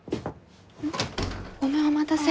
ごめんお待たせ。